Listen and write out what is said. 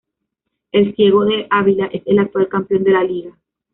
El Ciego de Ávila es el actual campeón de la liga.